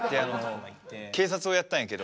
警察をやったんやけど。